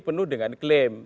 penuh dengan klaim